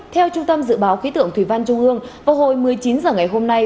theo trung tâm dự báo khí tượng thủy văn trung ương vào hồi một mươi chín h ngày hôm nay